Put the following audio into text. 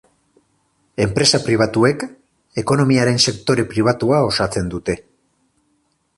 Enpresa pribatuek, ekonomiaren sektore pribatua osatzen dute.